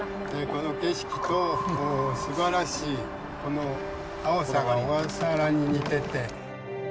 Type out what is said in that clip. この景色と、すばらしいこの青さが小笠原に似てて。